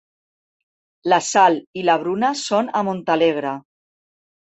La Sal i la Bruna són a Montalegre.